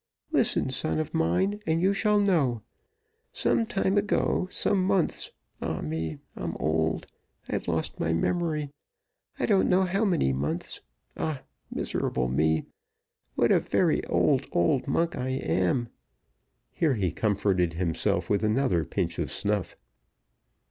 "Listen, son of mine, and you shall know. Some time ago some months ah! me, I'm old; I've lost my memory; I don't know how many months ah! miserable me, what a very old, old monk I am!" Here he comforted himself with another pinch of snuff.